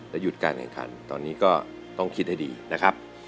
หยุดการแข่งขันตอนนี้ก็ต้องคิดให้ดีนะครับ